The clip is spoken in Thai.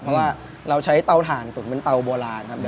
เพราะว่าเราใช้เตาถ่านตุ๋นเป็นเตาโบราณครับ